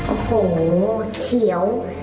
โอ้โหเขียว